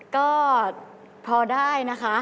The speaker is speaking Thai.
ก็พอได้นะคะ